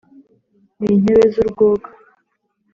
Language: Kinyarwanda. n’inkebe z’urwoga